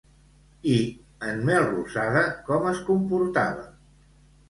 I en Melrosada com es comportava?